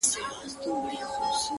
بله ډله وايي سخت فهم دی-